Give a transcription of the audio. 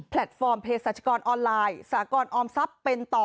ฟอร์มเพศรัชกรออนไลน์สากรออมทรัพย์เป็นต่อ